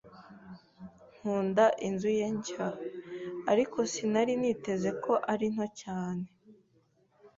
Nkunda inzu ye nshya, ariko sinari niteze ko ari nto cyane.